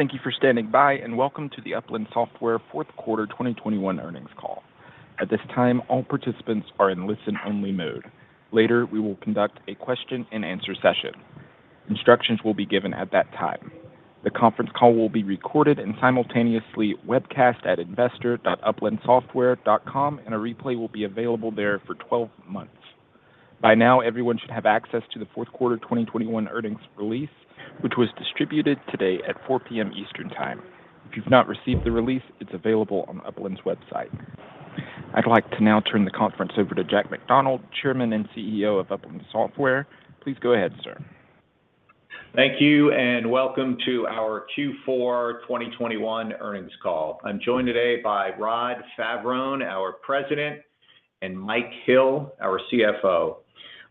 Thank you for standing by, and welcome to the Upland Software fourth quarter 2021 earnings call. At this time, all participants are in listen-only mode. Later, we will conduct a question-and-answer session. Instructions will be given at that time. The conference call will be recorded and simultaneously webcast at investor.uplandsoftware.com, and a replay will be available there for 12 months. By now, everyone should have access to the fourth quarter 2021 earnings release, which was distributed today at 4:00 P.M. Eastern Time. If you've not received the release, it's available on Upland's website. I'd like to now turn the conference over to Jack McDonald, Chairman and CEO of Upland Software. Please go ahead, sir. Thank you, and welcome to our Q4 2021 earnings call. I'm joined today by Rod Favaron, our President, and Mike Hill, our CFO.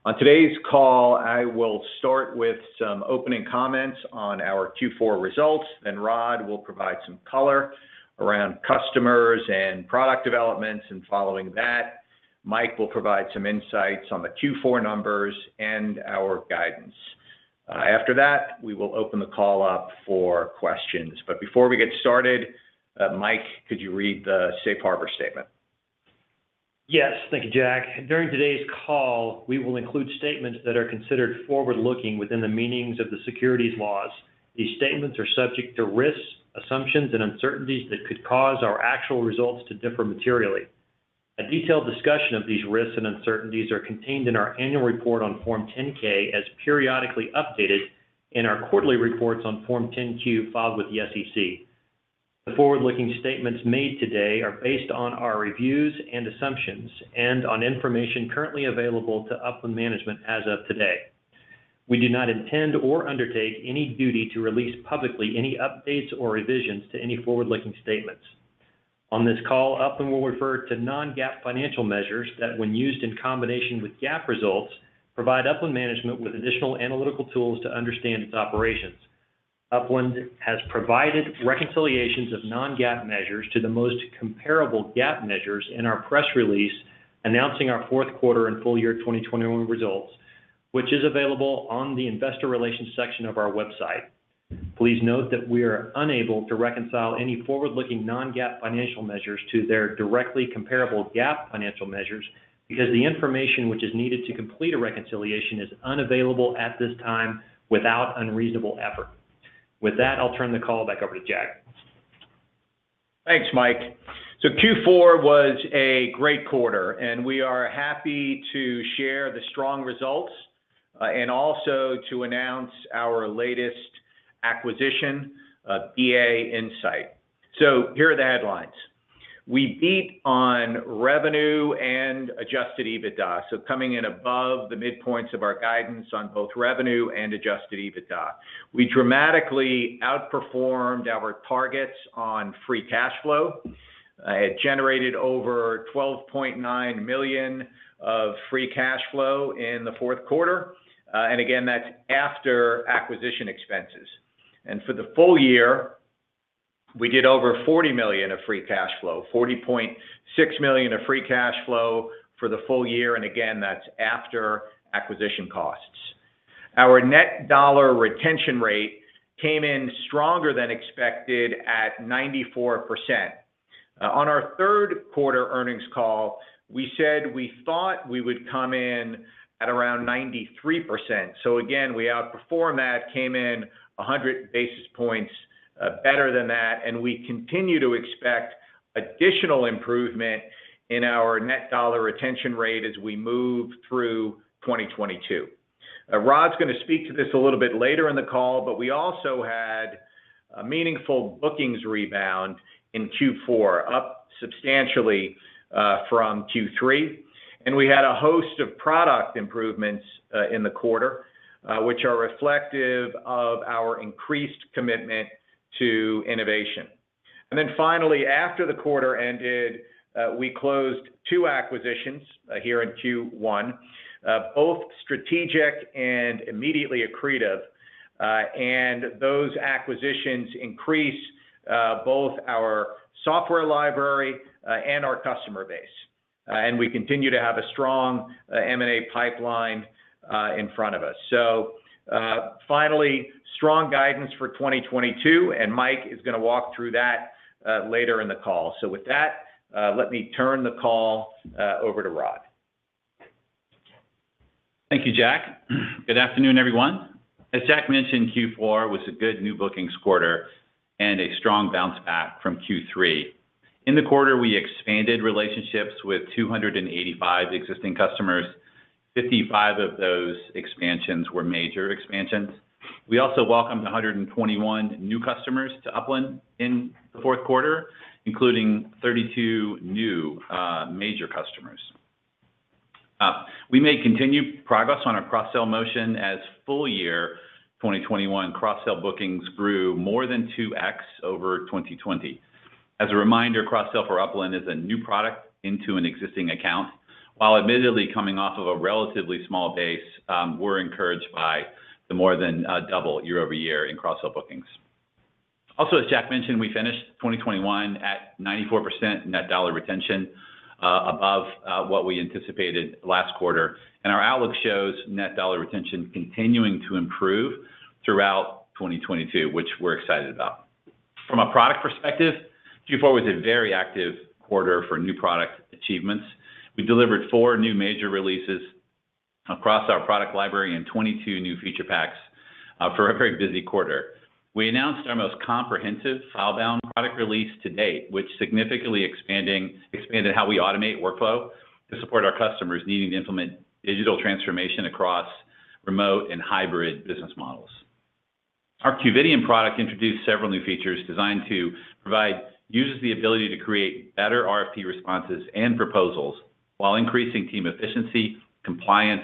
On today's call, I will start with some opening comments on our Q4 results, then Rod will provide some color around customers and product developments. Following that, Mike will provide some insights on the Q4 numbers and our guidance. After that, we will open the call up for questions. But before we get started, Mike, could you read the Safe Harbor statement? Yes. Thank you, Jack. During today's call, we will include statements that are considered forward-looking within the meanings of the securities laws. These statements are subject to risks, assumptions, and uncertainties that could cause our actual results to differ materially. A detailed discussion of these risks and uncertainties are contained in our annual report on Form 10-K as periodically updated in our quarterly reports on Form 10-Q filed with the SEC. The forward-looking statements made today are based on our reviews and assumptions and on information currently available to Upland management as of today. We do not intend or undertake any duty to release publicly any updates or revisions to any forward-looking statements. On this call, Upland will refer to non-GAAP financial measures that, when used in combination with GAAP results, provide Upland management with additional analytical tools to understand its operations. Upland has provided reconciliations of non-GAAP measures to the most comparable GAAP measures in our press release announcing our fourth quarter and full year 2021 results, which is available on the investor relations section of our website. Please note that we are unable to reconcile any forward-looking non-GAAP financial measures to their directly comparable GAAP financial measures because the information which is needed to complete a reconciliation is unavailable at this time without unreasonable effort. With that, I'll turn the call back over to Jack. Thanks, Mike. Q4 was a great quarter, and we are happy to share the strong results, and also to announce our latest acquisition of BA Insight. Here are the headlines. We beat on revenue and adjusted EBITDA, coming in above the midpoints of our guidance on both revenue and adjusted EBITDA. We dramatically outperformed our targets on free cash flow. It generated over $12.9 million of free cash flow in the fourth quarter. And again, that's after acquisition expenses. For the full year, we did over $40 million of free cash flow, $40.6 million of free cash flow for the full year, and again, that's after acquisition costs. Our net dollar retention rate came in stronger than expected at 94%. On our third quarter earnings call, we said we thought we would come in at around 93%. Again, we outperformed that, came in 100 basis points better than that, and we continue to expect additional improvement in our net dollar retention rate as we move through 2022. Rod's gonna speak to this a little bit later in the call, but we also had a meaningful bookings rebound in Q4, up substantially from Q3. We had a host of product improvements in the quarter, which are reflective of our increased commitment to innovation. Finally, after the quarter ended, we closed two acquisitions here in Q1, both strategic and immediately accretive. Those acquisitions increase both our software library and our customer base. We continue to have a strong M&A pipeline in front of us. Finally, strong guidance for 2022, and Mike is gonna walk through that later in the call. With that, let me turn the call over to Rod. Thank you, Jack. Good afternoon, everyone. As Jack mentioned, Q4 was a good new bookings quarter and a strong bounce back from Q3. In the quarter, we expanded relationships with 285 existing customers. 55 of those expansions were major expansions. We also welcomed 121 new customers to Upland in the fourth quarter, including 32 new major customers. We made continued progress on our cross-sell motion as full year 2021 cross-sell bookings grew more than 2x over 2020. As a reminder, cross-sell for Upland is a new product into an existing account. While admittedly coming off of a relatively small base, we're encouraged by the more than double year over year in cross-sell bookings. Also, as Jack mentioned, we finished 2021 at 94% net dollar retention, above what we anticipated last quarter. Our outlook shows net dollar retention continuing to improve throughout 2022, which we're excited about. From a product perspective, Q4 was a very active quarter for new product achievements. We delivered four new major releases across our product library and 22 new feature packs for a very busy quarter. We announced our most comprehensive FileBound product release to date, which significantly expanded how we automate workflow to support our customers needing to implement digital transformation across remote and hybrid business models. Our Qvidian product introduced several new features designed to provide users the ability to create better RFP responses and proposals while increasing team efficiency, compliance,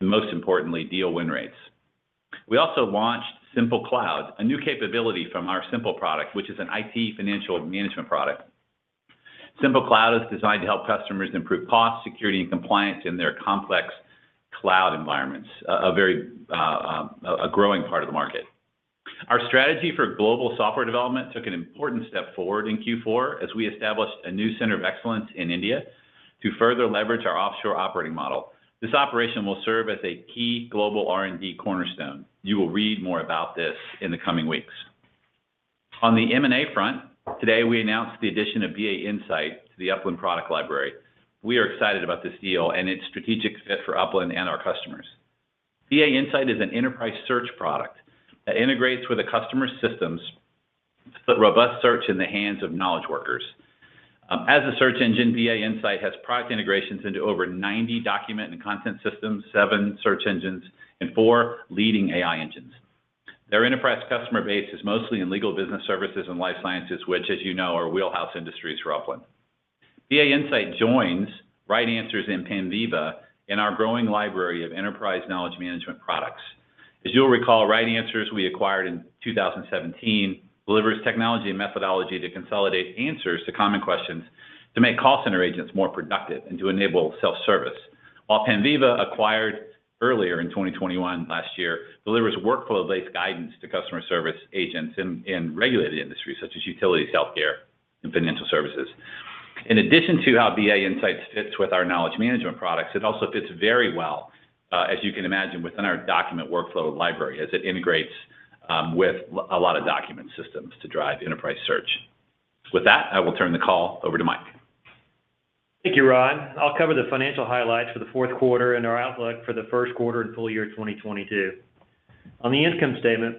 and most importantly, deal win rates. We also launched Cimpl Cloud, a new capability from our Cimpl product, which is an IT financial management product. Cimpl Cloud is designed to help customers improve cost, security, and compliance in their complex cloud environments, a growing part of the market. Our strategy for global software development took an important step forward in Q4 as we established a new center of excellence in India to further leverage our offshore operating model. This operation will serve as a key global R&D cornerstone. You will read more about this in the coming weeks. On the M&A front, today, we announced the addition of BA Insight to the Upland product library. We are excited about this deal and its strategic fit for Upland and our customers. BA Insight is an enterprise search product that integrates with a customer's systems to put robust search in the hands of knowledge workers. As a search engine, BA Insight has product integrations into over 90 document and content systems, seven search engines, and four leading AI engines. Their enterprise customer base is mostly in legal business services and life sciences, which as you know, are wheelhouse industries for Upland. BA Insight joins RightAnswers and Panviva in our growing library of enterprise knowledge management products. As you'll recall, RightAnswers, we acquired in 2017, delivers technology and methodology to consolidate answers to common questions to make call center agents more productive and to enable self-service. While Panviva, acquired earlier in 2021 last year, delivers workflow-based guidance to customer service agents in regulated industries such as utilities, healthcare, and financial services. In addition to how BA Insight fits with our knowledge management products, it also fits very well, as you can imagine, within our document workflow library as it integrates with a lot of document systems to drive enterprise search. With that, I will turn the call over to Mike. Thank you, Rod. I'll cover the financial highlights for the fourth quarter and our outlook for the first quarter and full year 2022. On the income statement,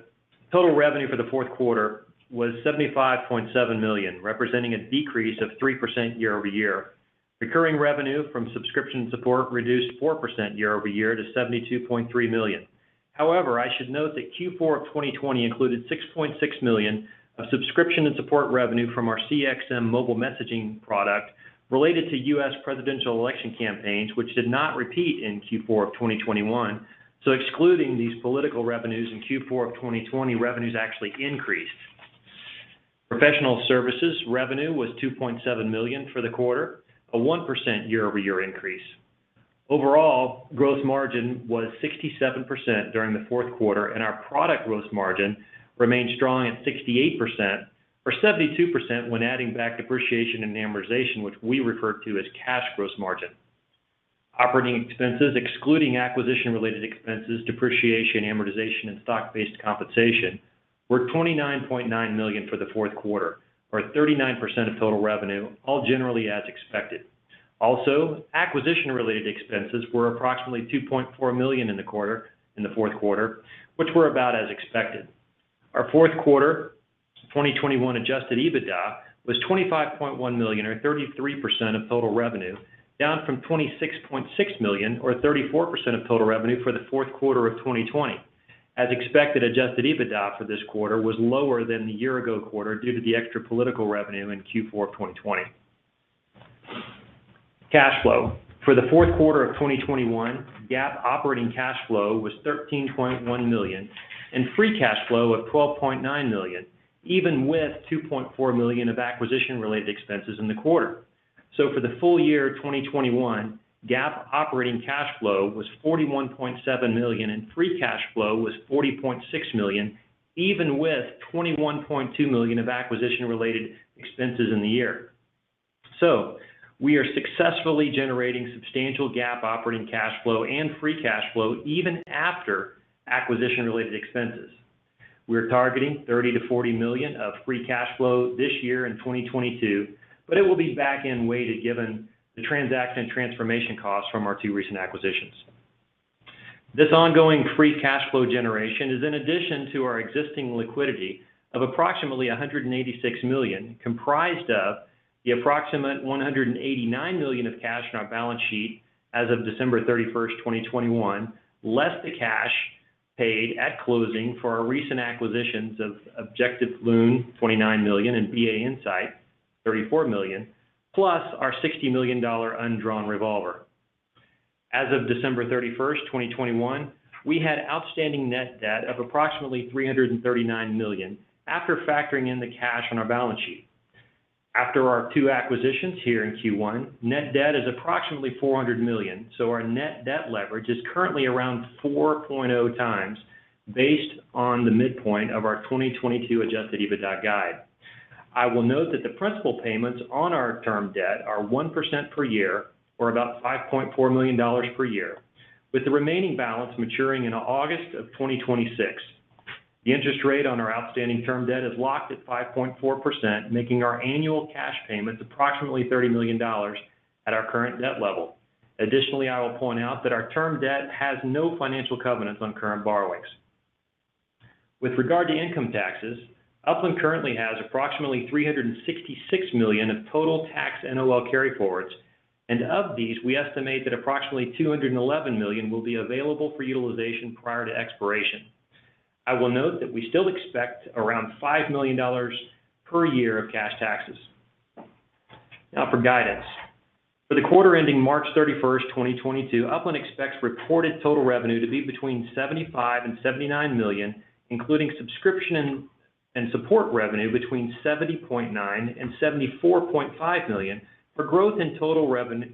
total revenue for the fourth quarter was $75.7 million, representing a decrease of 3% year-over-year. Recurring revenue from subscription and support reduced 4% year-over-year to $72.3 million. However, I should note that Q4 of 2020 included $6.6 million of subscription and support revenue from our CXM mobile messaging product related to U.S. presidential election campaigns, which did not repeat in Q4 of 2021. Excluding these political revenues in Q4 of 2020, revenues actually increased. Professional services revenue was $2.7 million for the quarter, a 1% year-over-year increase. Overall, gross margin was 67% during the fourth quarter, and our product gross margin remained strong at 68% or 72% when adding back depreciation and amortization, which we refer to as cash gross margin. Operating expenses excluding acquisition related expenses, depreciation, amortization, and stock-based compensation were $29.9 million for the fourth quarter, or 39% of total revenue, all generally as expected. Also, acquisition-related expenses were approximately $2.4 million in the fourth quarter, which were about as expected. Our fourth quarter 2021 adjusted EBITDA was $25.1 million, or 33% of total revenue, down from $26.6 million, or 34% of total revenue for the fourth quarter of 2020. As expected, adjusted EBITDA for this quarter was lower than the year ago quarter due to the extra political revenue in Q4 of 2020. Cash flow. For the fourth quarter of 2021, GAAP operating cash flow was $13.1 million and free cash flow of $12.9 million, even with $2.4 million of acquisition-related expenses in the quarter. For the full year of 2021, GAAP operating cash flow was $41.7 million, and free cash flow was $40.6 million, even with $21.2 million of acquisition-related expenses in the year. We are successfully generating substantial GAAP operating cash flow and free cash flow even after acquisition-related expenses. We're targeting $30 million-$40 million of free cash flow this year in 2022, but it will be back-end weighted given the transaction transformation costs from our two recent acquisitions. This ongoing free cash flow generation is in addition to our existing liquidity of approximately $186 million, comprised of the approximate $189 million of cash on our balance sheet as of December 31st, 2021, less the cash paid at closing for our recent acquisitions of Objectif Lune, $29 million, and BA Insight, $34 million, plus our $60 million undrawn revolver. As of December 31st, 2021, we had outstanding net debt of approximately $339 million after factoring in the cash on our balance sheet. After our two acquisitions here in Q1, net debt is approximately $400 million. Our net debt leverage is currently around 4.0x based on the midpoint of our 2022 adjusted EBITDA guide. I will note that the principal payments on our term debt are 1% per year, or about $5.4 million per year, with the remaining balance maturing in August of 2026. The interest rate on our outstanding term debt is locked at 5.4%, making our annual cash payments approximately $30 million at our current debt level. Additionally, I will point out that our term debt has no financial covenants on current borrowings. With regard to income taxes, Upland currently has approximately 366 million of total tax NOL carryforwards, and of these, we estimate that approximately 211 million will be available for utilization prior to expiration. I will note that we still expect around $5 million per year of cash taxes. Now for guidance. For the quarter ending March 31st, 2022, Upland expects reported total revenue to be between $75 million and $79 million, including subscription and support revenue between $70.9 million and $74.5 million, for growth in total revenue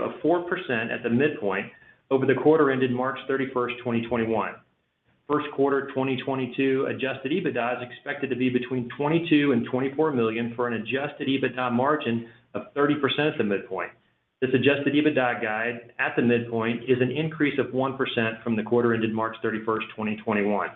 of 4% at the midpoint over the quarter ended March 31st, 2021. First quarter 2022 adjusted EBITDA is expected to be between $22 million and $24 million, for an adjusted EBITDA margin of 30% at the midpoint. This adjusted EBITDA guide at the midpoint is an increase of 1% from the quarter ended March 31st, 2021.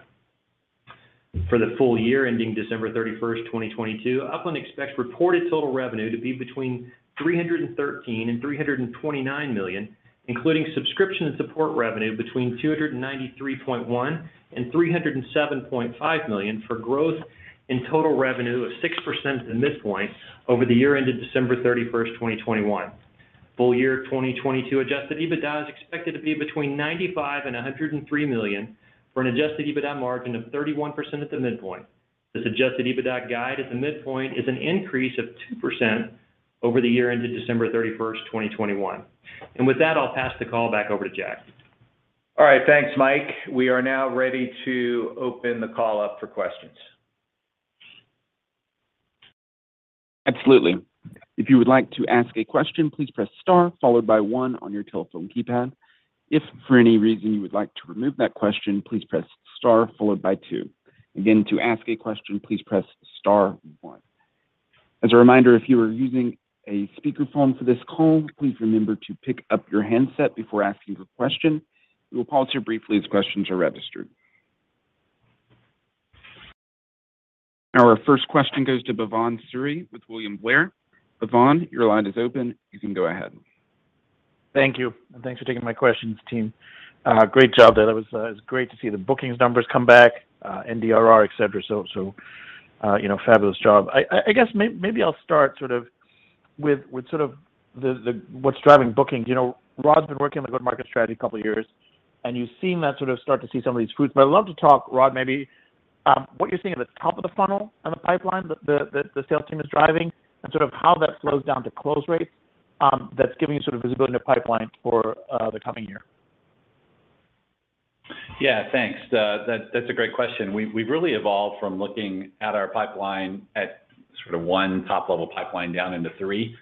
For the full year ending December 31st, 2022, Upland expects reported total revenue to be between $313 million and $329 million, including subscription and support revenue between $293.1 million and $307.5 million, for growth in total revenue of 6% at the midpoint over the year ended December 31st, 2021. Full year 2022 adjusted EBITDA is expected to be between $95 million and $103 million, for an adjusted EBITDA margin of 31% at the midpoint. This adjusted EBITDA guide at the midpoint is an increase of 2% over the year ended December 31st, 2021. With that, I'll pass the call back over to Jack. All right. Thanks, Mike. We are now ready to open the call up for questions. Absolutely. If you would like to ask a question, please press star followed by one on your telephone keypad. If for any reason you would like to remove that question, please press star followed by two. Again, to ask a question, please press star one As a reminder, if you are using a speakerphone for this call, please remember to pick up your handset before asking your question. We will pause here briefly as questions are registered. Our first question goes to Bhavan Suri with William Blair. Bhavan, your line is open. You can go ahead. Thank you, and thanks for taking my questions, team. Great job there. That was. It was great to see the bookings numbers come back, NDR, et cetera. So, you know, fabulous job. I guess maybe I'll start sort of with sort of the what's driving bookings. You know, Rod's been working on a good market strategy a couple years, and you've seen that sort of start to see some of these fruits. I'd love to talk, Rod, maybe, what you're seeing at the top of the funnel and the pipeline that the sales team is driving and sort of how that slows down to close rates, that's giving you sort of visibility into the pipeline for the coming year. Yeah. Thanks. That's a great question. We've really evolved from looking at our pipeline at sort of one top-level pipeline down into three.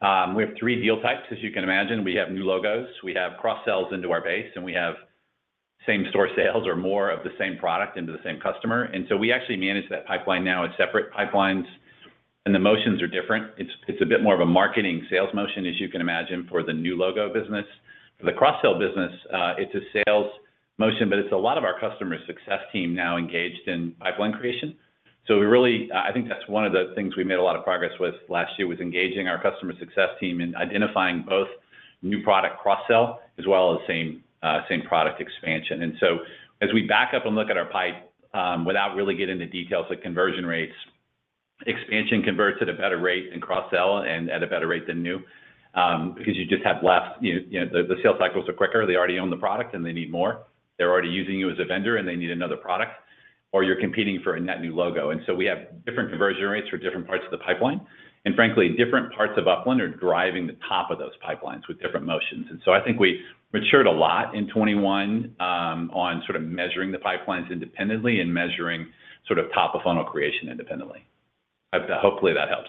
We have three deal types, as you can imagine. We have new logos, we have cross-sells into our base, and we have same store sales or more of the same product into the same customer. We actually manage that pipeline now in separate pipelines, and the motions are different. It's a bit more of a marketing sales motion, as you can imagine, for the new logo business. For the cross-sell business, it's a sales motion, but it's a lot of our customer success team now engaged in pipeline creation. We really, I think that's one of the things we made a lot of progress with last year, was engaging our customer success team in identifying both new product cross-sell as well as same product expansion. As we back up and look at our pipe, without really getting into details like conversion rates, expansion converts at a better rate than cross-sell and at a better rate than new, because you just have less. You know, the sales cycles are quicker. They already own the product, and they need more. They're already using you as a vendor, and they need another product, or you're competing for a net new logo. We have different conversion rates for different parts of the pipeline. And frankly, different parts of Upland are driving the top of those pipelines with different motions. I think we matured a lot in 2021 on sort of measuring the pipelines independently and measuring sort of top-of-funnel creation independently. Hopefully that helps.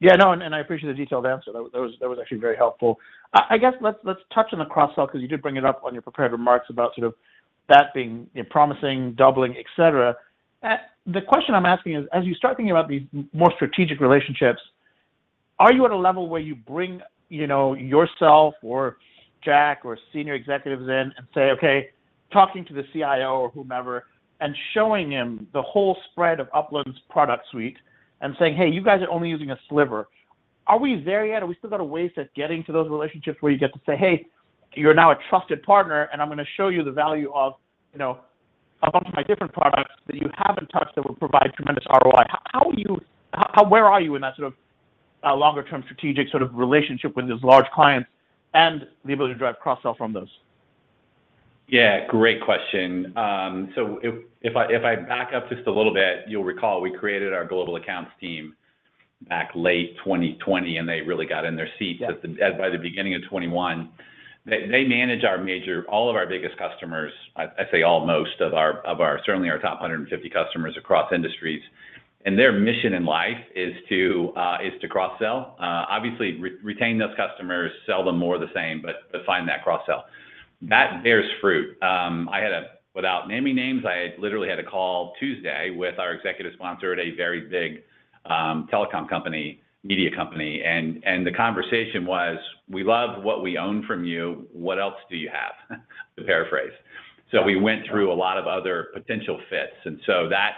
Yeah. No, and I appreciate the detailed answer. That was actually very helpful. I guess let's touch on the cross-sell 'cause you did bring it up on your prepared remarks about sort of that being promising, doubling, et cetera. The question I'm asking is, as you start thinking about these more strategic relationships, are you at a level where you bring, you know, yourself or Jack or senior executives in and say, "Okay," talking to the CIO or whomever and showing him the whole spread of Upland's product suite and saying, "Hey, you guys are only using a sliver." Are we there yet, or we still got a ways at getting to those relationships where you get to say, "Hey, you're now a trusted partner, and I'm gonna show you the value of, you know, a bunch of my different products that you haven't touched that would provide tremendous ROI"? How are you, where are you in that sort of longer term strategic sort of relationship with these large clients and the ability to drive cross-sell from those? Yeah, great question. So if I back up just a little bit, you'll recall we created our global accounts team back late 2020, and they really got in their seats by the beginning of 2021. They manage all of our biggest customers. I say all, most of our, certainly our top 150 customers across industries. Their mission in life is to cross-sell. Obviously retain those customers, sell them more of the same, but find that cross-sell. That bears fruit. Without naming names, I literally had a call Tuesday with our executive sponsor at a very big telecom company, media company, and the conversation was, "We love what we own from you. What else do you have?" To paraphrase. We went through a lot of other potential fits, and that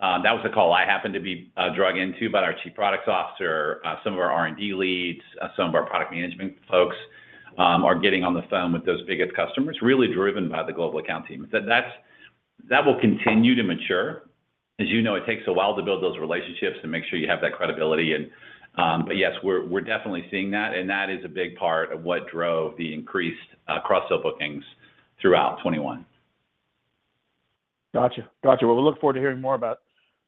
was a call I happened to be dragged into by our chief product officer. Some of our R&D leads, some of our product management folks, are getting on the phone with those biggest customers, really driven by the global account team. That's that will continue to mature. As you know, it takes a while to build those relationships and make sure you have that credibility and. But yes, we're definitely seeing that, and that is a big part of what drove the increased cross-sell bookings throughout 2021. Gotcha. Well, we look forward to hearing more about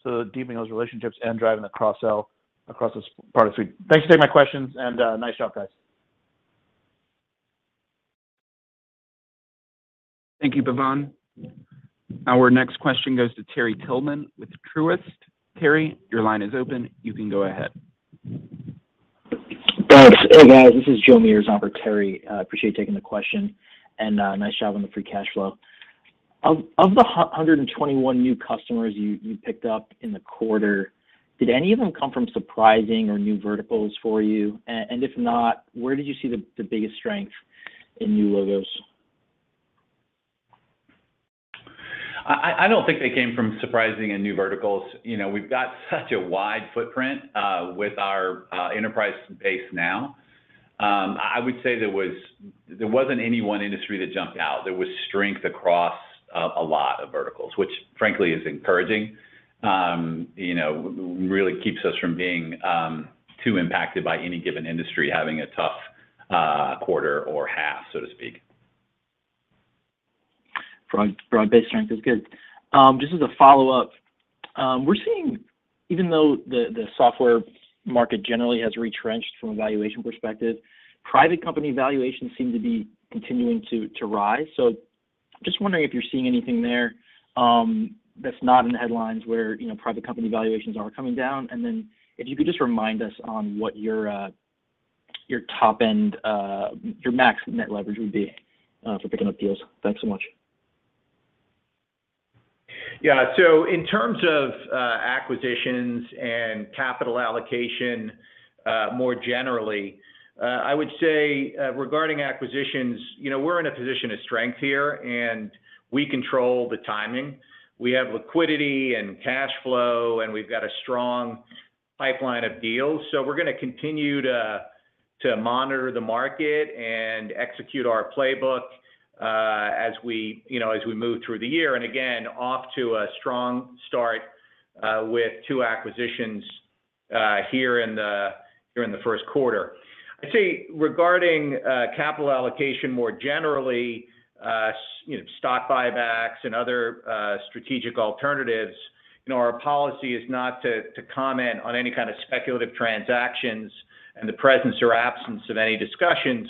sort of deepening those relationships and driving the cross-sell across this part of the suite. Thanks for taking my questions, and nice job, guys. Thank you, Bhavan. Our next question goes to Terry Tillman with Truist. Terry, your line is open. You can go ahead. Thanks. Hey, guys. This is Joe Meares for Terry. Appreciate you taking the question, and nice job on the free cash flow. Of the 121 new customers you picked up in the quarter, did any of them come from surprising or new verticals for you? And if not, where did you see the biggest strength in new logos? I don't think they came from surprising and new verticals. You know, we've got such a wide footprint with our enterprise base now. I would say there wasn't any one industry that jumped out. There was strength across a lot of verticals, which frankly is encouraging. You know, really keeps us from being too impacted by any given industry having a tough quarter or half, so to speak. Broad-based strength is good. Just as a follow-up, we're seeing even though the software market generally has retrenched from a valuation perspective, private company valuations seem to be continuing to rise. Just wondering if you're seeing anything there, that's not in the headlines where, you know, private company valuations are coming down. If you could just remind us on what your top end, your max net leverage would be, for picking up deals. Thanks so much. Yeah. In terms of acquisitions and capital allocation, more generally, I would say, regarding acquisitions, you know, we're in a position of strength here, and we control the timing. We have liquidity and cash flow, and we've got a strong pipeline of deals. We're gonna continue to monitor the market and execute our playbook, as we, you know, as we move through the year. Again, off to a strong start, with two acquisitions, here in the first quarter. I'd say regarding capital allocation more generally, you know, stock buybacks and other strategic alternatives, you know, our policy is not to comment on any kind of speculative transactions and the presence or absence of any discussions.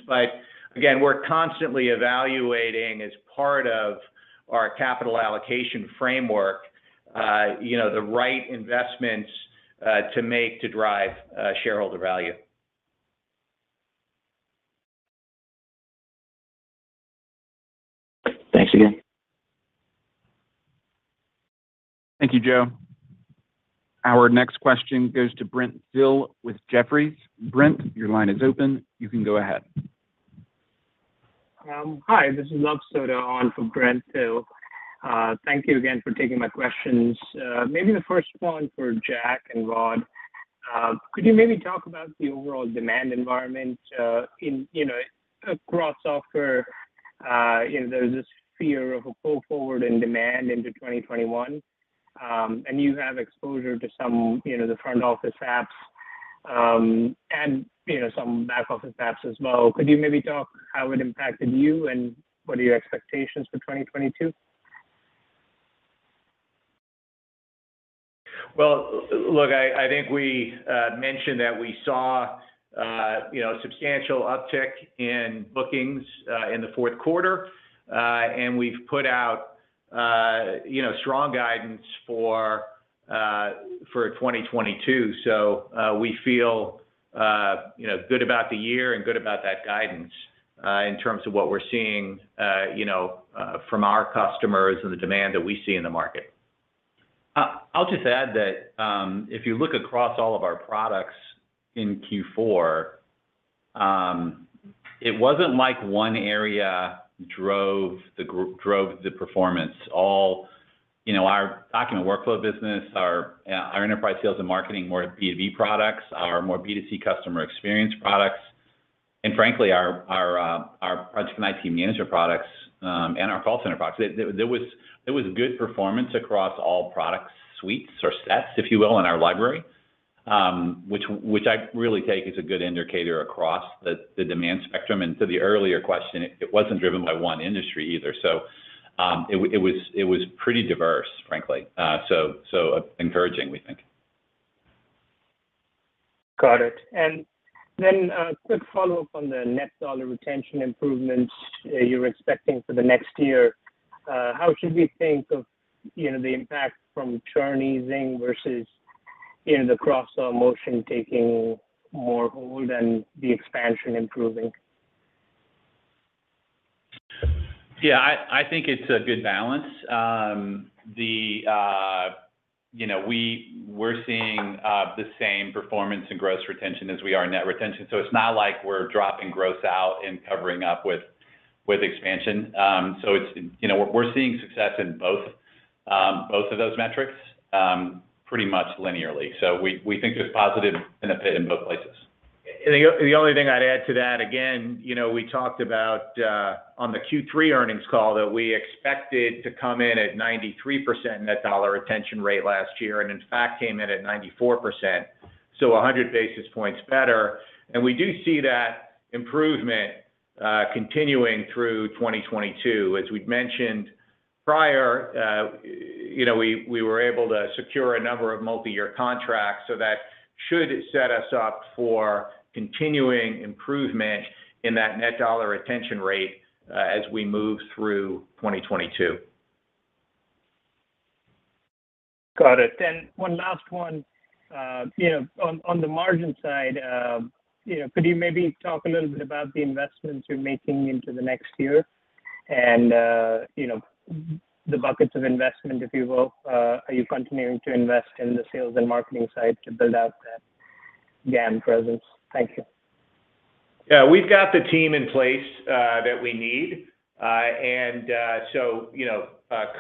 Again, we're constantly evaluating as part of our capital allocation framework, you know, the right investments to make to drive shareholder value. Thanks again. Thank you, Joe. Our next question goes to Brent Thill with Jefferies. Brent, your line is open. You can go ahead. Hi. This is Luv Sodha on for Brent Thill. Thank you again for taking my questions. Maybe the first one for Jack and Rod. Could you maybe talk about the overall demand environment, you know, across software? You know, there's this fear of a pull forward in demand into 2021. You have exposure to some, you know, the front office apps, and, you know, some back office apps as well. Could you maybe talk how it impacted you, and what are your expectations for 2022? Well, look, I think we mentioned that we saw, you know, substantial uptick in bookings in the fourth quarter. We've put out, you know, strong guidance for 2022. We feel, you know, good about the year and good about that guidance in terms of what we're seeing, you know, from our customers and the demand that we see in the market. I'll just add that, if you look across all of our products in Q4, it wasn't like one area drove the performance. All, you know, our document workflow business, our enterprise sales and marketing, more B2B products, our more B2C customer experience products, and frankly our project and IT manager products, and our call center products. There was good performance across all product suites or sets, if you will, in our library, which I really take as a good indicator across the demand spectrum. To the earlier question, it wasn't driven by one industry either. It was pretty diverse, frankly. Encouraging, we think. Got it. Quick follow-up on the net dollar retention improvements you're expecting for the next year. How should we think of, you know, the impact from churn easing versus, you know, the cross-sell motion taking more hold and the expansion improving? Yeah, I think it's a good balance. You know, we're seeing the same performance in gross retention as we are net retention, so it's not like we're dropping gross out and covering up with expansion. It's, you know, we're seeing success in both of those metrics pretty much linearly. We think there's positive benefit in both places. The only thing I'd add to that, again, you know, we talked about on the Q3 earnings call that we expected to come in at 93% net dollar retention rate last year, and in fact, came in at 94%, so 100 basis points better. We do see that improvement continuing through 2022. As we'd mentioned prior, you know, we were able to secure a number of multi-year contracts, so that should set us up for continuing improvement in that net dollar retention rate as we move through 2022. Got it. One last one. You know, on the margin side, you know, could you maybe talk a little bit about the investments you're making into the next year and, you know, the buckets of investment, if you will? Are you continuing to invest in the sales and marketing side to build out that GAM presence? Thank you. Yeah. We've got the team in place that we need. You know,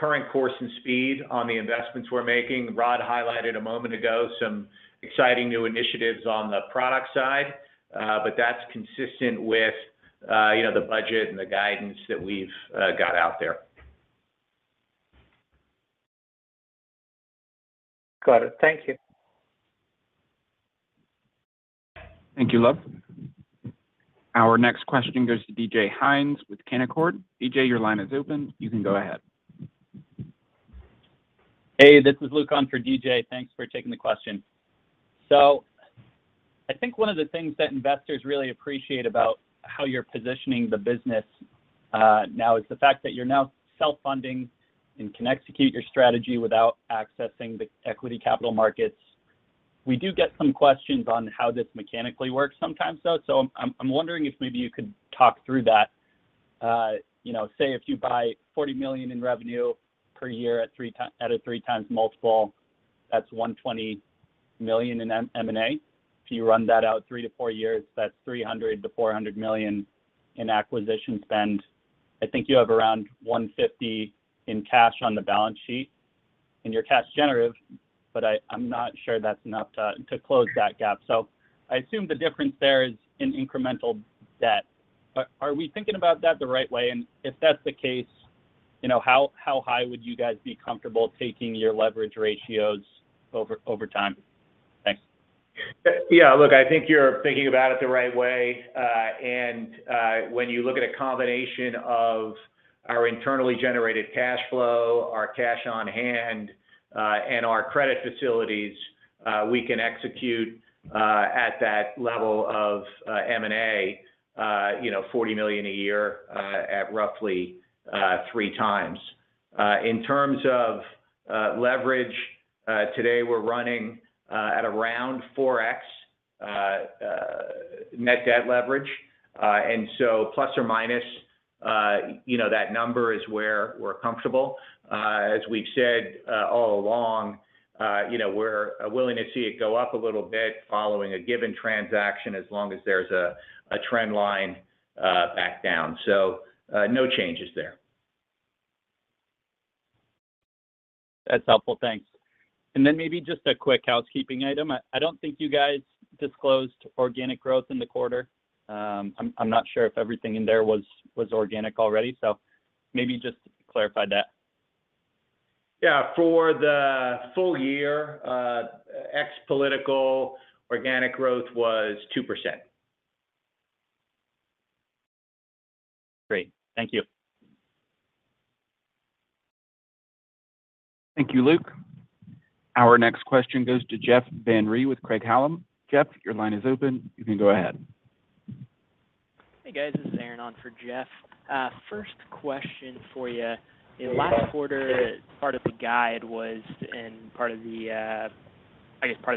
current course and speed on the investments we're making. Rod highlighted a moment ago some exciting new initiatives on the product side. That's consistent with, you know, the budget and the guidance that we've got out there. Got it. Thank you. Thank you, Luv. Our next question goes to DJ Hynes with Canaccord. DJ, your line is open. You can go ahead. Hey, this is Luke on for DJ. Thanks for taking the question. I think one of the things that investors really appreciate about how you're positioning the business now is the fact that you're now self-funding and can execute your strategy without accessing the equity capital markets. We do get some questions on how this mechanically works sometimes, though, I'm wondering if maybe you could talk through that. You know, say, if you buy $40 million in revenue per year at a 3x multiple, that's $120 million in M&A. If you run that out 3-4 years, that's $300 million-$400 million in acquisition spend. I think you have around $150 million in cash on the balance sheet, and you're cash generative, but I'm not sure that's enough to close that gap. I assume the difference there is in incremental debt. Are we thinking about that the right way? If that's the case, you know, how high would you guys be comfortable taking your leverage ratios over time? Thanks. Yeah. Look, I think you're thinking about it the right way. When you look at a combination of our internally generated cash flow, our cash on hand, and our credit facilities, we can execute at that level of M&A, you know, $40 million a year, at roughly 3x. In terms of leverage, today we're running at around 4x net debt leverage. Plus or minus, you know, that number is where we're comfortable. As we've said all along, you know, we're willing to see it go up a little bit following a given transaction as long as there's a trend line back down. No changes there. That's helpful. Thanks. Maybe just a quick housekeeping item. I don't think you guys disclosed organic growth in the quarter. I'm not sure if everything in there was organic already, so maybe just clarify that. Yeah. For the full year, ex-acquisitions organic growth was 2%. Great. Thank you. Thank you, Luke. Our next question goes to Jeff Van Rhee with Craig-Hallum. Jeff, your line is open. You can go ahead. Hey, guys, this is Aaron on for Jeff. First question for you. In last quarter, I guess part of the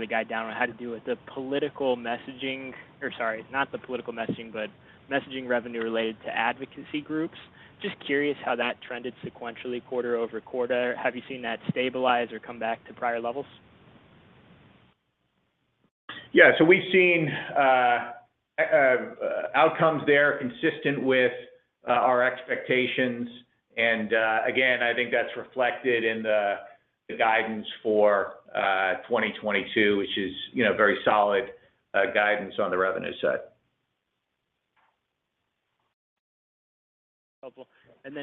guide down had to do with the political messaging, or sorry, not the political messaging, but messaging revenue related to advocacy groups. Just curious how that trended sequentially quarter-over-quarter. Have you seen that stabilize or come back to prior levels? Yeah. We've seen outcomes there consistent with our expectations. Again, I think that's reflected in the guidance for 2022, which is, you know, very solid guidance on the revenue side. Helpful.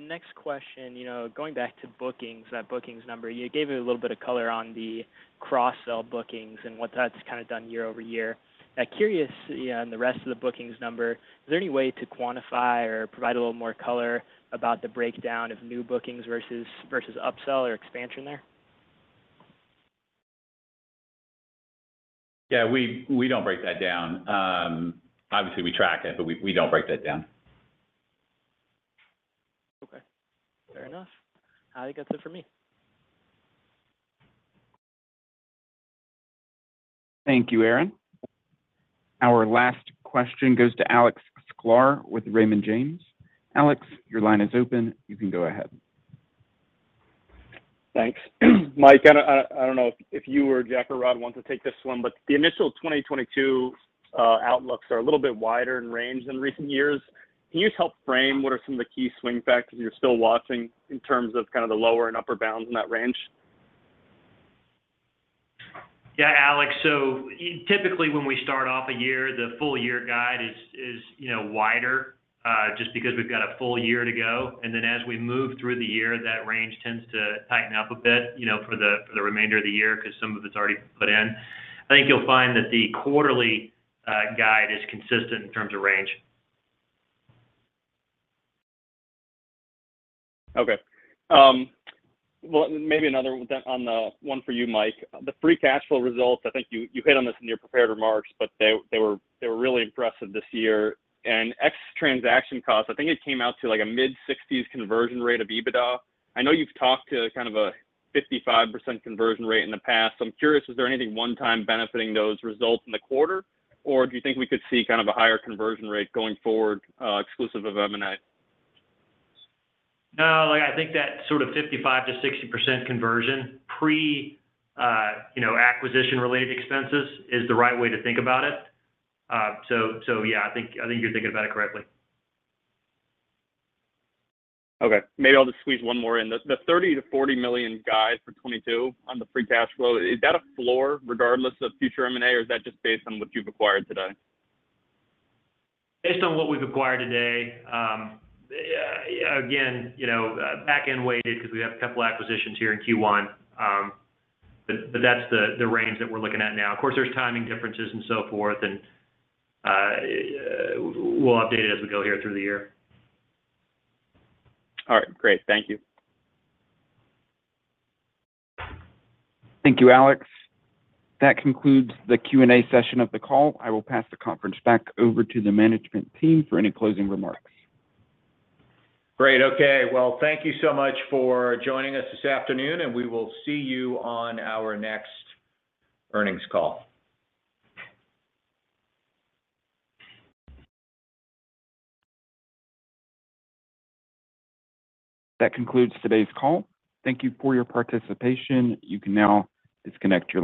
Next question, you know, going back to bookings, that bookings number. You gave a little bit of color on the cross-sell bookings and what that's kind of done year-over-year. Curious, you know, in the rest of the bookings number, is there any way to quantify or provide a little more color about the breakdown of new bookings versus upsell or expansion there? Yeah, we don't break that down. Obviously we track it, but we don't break that down. Okay. Fair enough. I think that's it for me. Thank you, Aaron. Our last question goes to Alex Sklar with Raymond James. Alex, your line is open. You can go ahead. Thanks. Mike, I don't know if you or Jack or Rod want to take this one, but the initial 2022 outlooks are a little bit wider in range than recent years. Can you just help frame what are some of the key swing factors you're still watching in terms of kind of the lower and upper bounds in that range? Yeah, Alex. Typically, when we start off a year, the full year guide is, you know, wider just because we've got a full year to go. As we move through the year, that range tends to tighten up a bit, you know, for the remainder of the year because some of it's already put in. I think you'll find that the quarterly guide is consistent in terms of range. Okay. Well, maybe another one on the one for you, Mike. The free cash flow results, I think you hit on this in your prepared remarks, but they were really impressive this year. Ex transaction costs, I think it came out to, like, a mid-60s conversion rate of EBITDA. I know you've talked to kind of a 55% conversion rate in the past. I'm curious, is there anything one-time benefiting those results in the quarter? Or do you think we could see kind of a higher conversion rate going forward, exclusive of M&A? No. Like, I think that sort of 55%-60% conversion pre, you know, acquisition related expenses is the right way to think about it. Yeah. I think you're thinking about it correctly. Okay. Maybe I'll just squeeze one more in. The $30 million-$40 million guide for 2022 on the free cash flow, is that a floor regardless of future M&A, or is that just based on what you've acquired today? Based on what we've acquired today, again, you know, back-end weighted 'cause we have a couple acquisitions here in Q1. That's the range that we're looking at now. Of course, there's timing differences and so forth and we'll update it as we go here through the year. All right. Great. Thank you. Thank you, Alex. That concludes the Q&A session of the call. I will pass the conference back over to the management team for any closing remarks. Great. Okay. Well, thank you so much for joining us this afternoon, and we will see you on our next earnings call. That concludes today's call. Thank you for your participation. You can now disconnect your line.